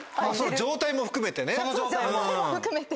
状態も含めて。